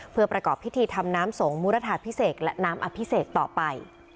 เพื่อประกอบพิธีทำน้ำสงมุรทาพิเศษและน้ำอภิเษกต่อไป